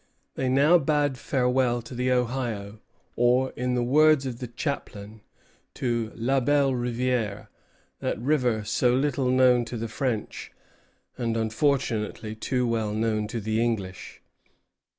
They now bade farewell to the Ohio, or, in the words of the chaplain, to "La Belle Rivière, that river so little known to the French, and unfortunately too well known to the English."